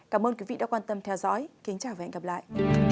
cảm ơn quý vị đã quan tâm theo dõi kính chào và hẹn gặp lại